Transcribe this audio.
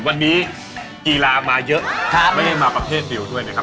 วันนี้กีฬามาเยอะไม่ได้มาประเภทเดียวด้วยนะครับ